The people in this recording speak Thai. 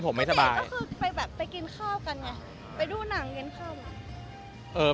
ไปกินข้าวกัน